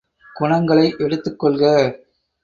குணங்களை எடுத்துக் கொள்க!